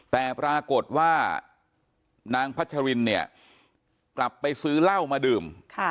แต่ปรากฏว่านางพัชรินเนี่ยกลับไปซื้อเหล้ามาดื่ม